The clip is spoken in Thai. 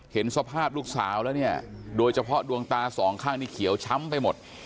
เห็นสภาพลูกสาวแล้วเนี่ยโดยเฉพาะดวงตาสองข้างนี่เขียวช้ำไปหมด